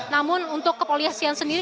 namun untuk kepolisian sendiri